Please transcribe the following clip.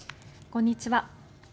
こんにちは。